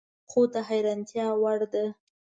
خو د حیرانتیا وړ ده